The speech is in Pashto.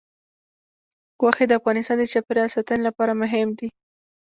غوښې د افغانستان د چاپیریال ساتنې لپاره مهم دي.